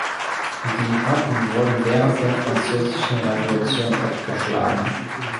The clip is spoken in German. Die Wappen wurden während der Französischen Revolution abgeschlagen.